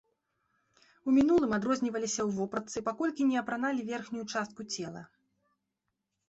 У мінулым адрозніваліся ў вопратцы, паколькі не апраналі верхнюю частку цела.